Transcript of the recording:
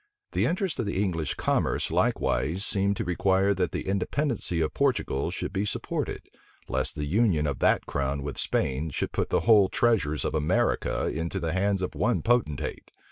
The interest of the English commerce likewise seemed to require that the independency of Portugal should be supported, lest the union of that crown with Spain should put the whole treasures of America into the hands of one potentate.